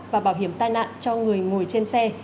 và bảo hiểm tai nạn cho người ngồi trên xe